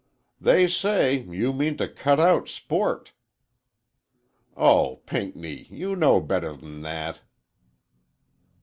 "They say, you mean to cut out sport—" "Oh, Pinckney, you know better than that!"